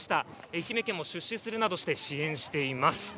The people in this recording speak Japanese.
愛媛県も出資するなどして支援しています。